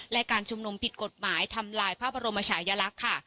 และการชุมนุมผิดกฎหมายทำลายพระบรมชายลักษณ์ค่ะ